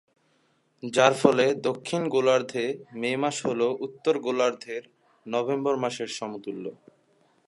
যার ফলে দক্ষিণ গোলার্ধে মে মাস হল উত্তর গোলার্ধের নভেম্বর মাসের সমতুল্য।